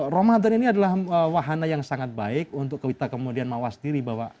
ramadan ini adalah wahana yang sangat baik untuk kita kemudian mawas diri bahwa